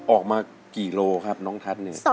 ออกมากี่โลครับน้องทัศน์เนี่ย